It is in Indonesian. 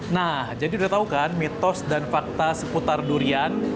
nah jadi udah tau kan mitos dan fakta seputar durian